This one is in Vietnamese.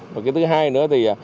và thứ hai nữa